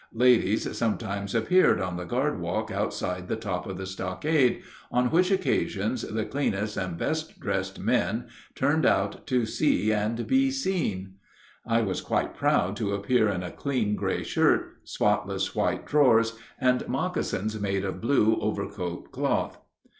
Ladies sometimes appeared on the guard walk outside the top of the stockade, on which occasions the cleanest and best dressed men turned out to see and be seen. I was quite proud to appear in a clean gray shirt, spotless white drawers, and moccasins made of blue overcoat cloth.